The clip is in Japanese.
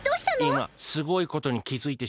いますごいことにきづいてしまった。